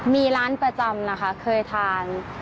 มีร้านประจำนะคะเคยทาน